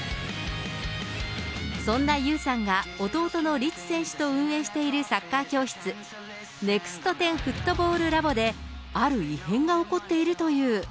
そんな憂さんが弟の律選手と運営しているサッカー教室、ネクスト１０フットボールラボである異変が起こっているという。